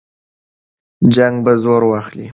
جنګ به زور واخلي.